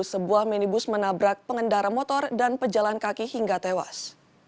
sebuah minibus menabrak pengendara motor dan pejalan kaki hingga tewas